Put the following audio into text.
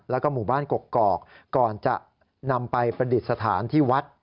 แล้วก็หมู่บ้านกกอกก่อนจะนำไปประดิษฐานที่วัด